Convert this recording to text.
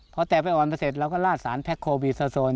พอแตกไปอ่อนไปเสร็จเราก็ลาดสารแพ็คโคบีโซน